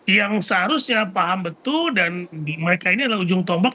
yang seharusnya paham betul dan mereka ini adalah ujung tombak